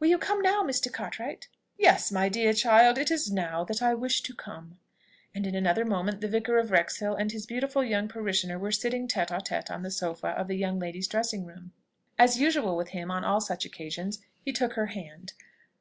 will you come now, Mr. Cartwright?" "Yes, my dear child, it is now that I wish to come;" and in another moment the Vicar of Wrexhill and his beautiful young parishioner were sitting tête à tête on the sofa of the young lady's dressing room. As usual with him on all such occasions, he took her hand.